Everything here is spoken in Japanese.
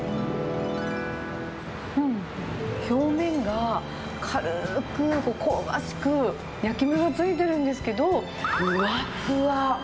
うん、表面が軽ーく香ばしく、焼き目がついてるんですけど、ふわっふわ。